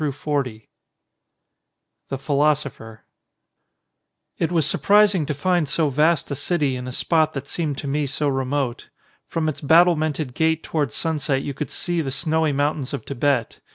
146 XXXVIII THE PHILOSOPHER IT was surprising to find so vast a city in a spot that seemed to me so remote. From its battlemented gate towards sunset you could see the snowy mountains of Tibet.